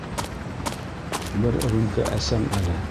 Бер рюмка әсәм әле...